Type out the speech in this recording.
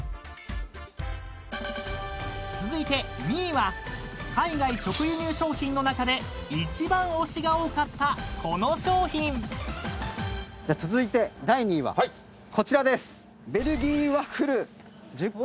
［続いて２位は海外直輸入商品の中で一番推しが多かったこの商品］続いて第２位はこちらです。